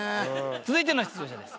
続いての出場者です。